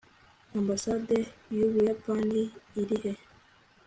ambasade y'ubuyapani iri he